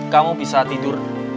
kamu bisa tidur